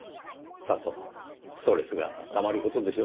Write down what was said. さぞストレスがたまる事でしょうねぇ。